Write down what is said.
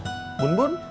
capek bun bun